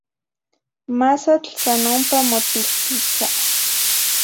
Masatl san ompa motilquitza.